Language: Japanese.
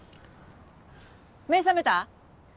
目覚めた？